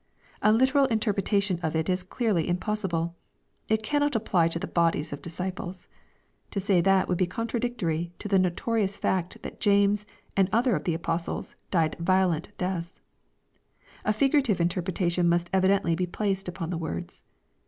A literal interpretation of it is clearly impossible. It cannot apply to the bodies of disciples. To say that would be contradictory to the notorious fact that James and other of the apostles died violent deaths. A figurative interpretation must evidently be placed upon the words.